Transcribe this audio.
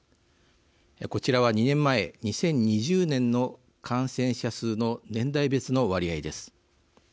こちらは２年前、２０２０年の感染者数の年代別の割合です。